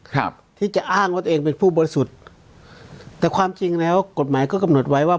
ครับที่จะอ้างว่าตัวเองเป็นผู้บริสุทธิ์แต่ความจริงแล้วกฎหมายก็กำหนดไว้ว่า